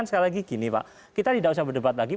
sekali lagi gini pak kita tidak usah berdebat lagi